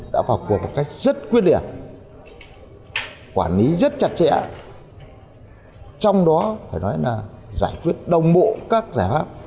đã vào cuộc một cách rất quyết liệt quản lý rất chặt chẽ trong đó phải nói là giải quyết đồng bộ các giải pháp